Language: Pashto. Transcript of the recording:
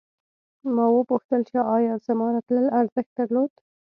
ما وپوښتل چې ایا زما راتلل ارزښت درلود